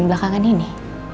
yang belakangan ini